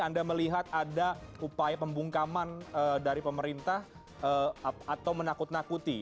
anda melihat ada upaya pembungkaman dari pemerintah atau menakut nakuti